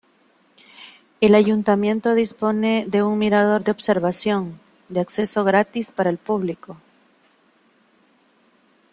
El Ayuntamiento dispone de un mirador de observación, de acceso gratis para el público.